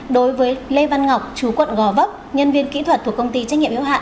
đối với lê văn ngọc chú quận gò vấp nhân viên kỹ thuật thuộc công ty trách nhiệm yếu hạn